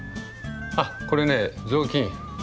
あっこれね雑巾。